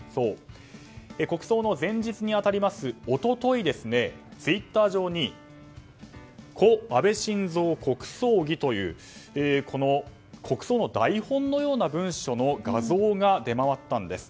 国葬の前日に当たります一昨日ツイッター上に「故・安倍晋三国葬儀」という国葬の台本のような文書の画像が出回ったんです。